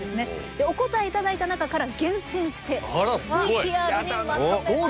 でお答え頂いた中から厳選してＶＴＲにまとめました。